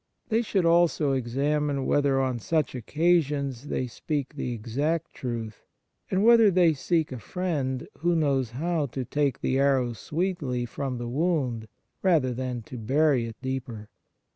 They should also examine whether on such occasions they speak the exact truth, and whether they seek a friend, who knows how to take the arrow sweetly from the wound rather than to bury it deeper.